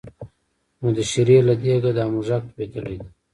نو د شېرې له دېګه دا موږک لوېدلی دی.